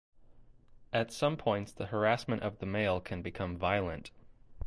At some points, the harassment of the male can become violent.